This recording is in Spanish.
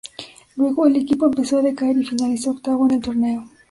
Luego el equipo empezó a decaer y finalizó octavo en el torneo.